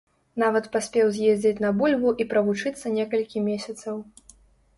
Нават паспеў з'ездзіць на бульбу і правучыцца некалькі месяцаў.